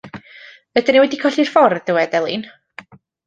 Yden ni wedi colli'r ffordd, dywed, Elin?